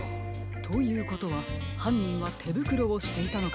ということははんにんはてぶくろをしていたのかもしれませんね。